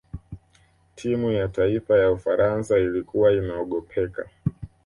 timu ya taifa ya ufaransa ilikuwa inaogopeka